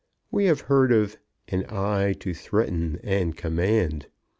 We have heard of "an eye to threaten and command."